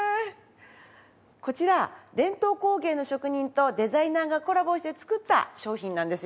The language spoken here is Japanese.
こちら伝統工芸の職人とデザイナーがコラボして作った商品なんですよ。